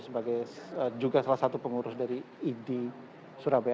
sebagai juga salah satu pengurus dari idi surabaya